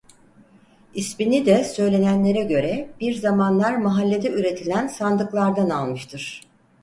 İsminide söylenenlere göre bir zamanlar mahallede üretilen sandıklardan almıştır.